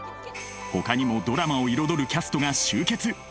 ほかにもドラマを彩るキャストが集結